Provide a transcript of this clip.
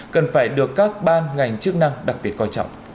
cần phải được các ban ngành chức năng đặc biệt coi trọng